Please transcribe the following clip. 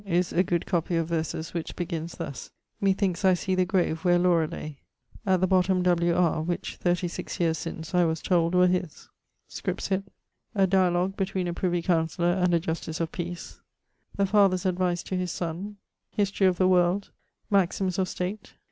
is a good copie of verses, which begins thus: Methinkes I see the grave wher Laura lay; at the bottome W. R.: which, 36 yeares since, I was told were his. Scripsit. A dialogue between a Privy Councellor and a Justice of Peace. The father's advice to his son. Historie of the World. Maximes of State.